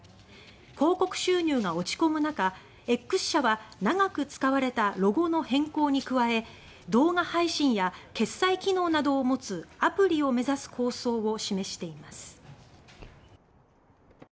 広告収入が落ち込む中Ｘ社は、長く使われたロゴの変更に加え動画配信や決済機能なども持つアプリを目指す構想を示しています。